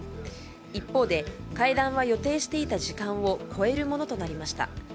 一方で会談は予定していた時間を超えるものとなりました。